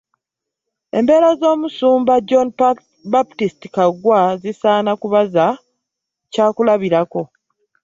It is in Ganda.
Embeera z'omusumba John Baptist Kaggwa zisaana kuba Kya kulabirako